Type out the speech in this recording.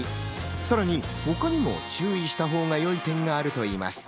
さらに他にも注意したほうが良い点があるといいます。